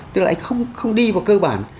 tức là anh không đi vào cơ bản